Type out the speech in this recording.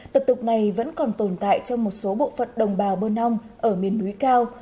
tập tục này vẫn còn tồn tại trong một số bộ phận đồng bào bơ non ở miền núi cao